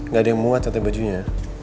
gak ada yang muat nganti bajunya